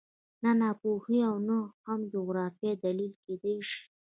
نه ناپوهي او نه هم جغرافیه دلیل کېدای شي